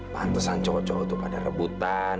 pantesan cowok cowok itu pada rebutan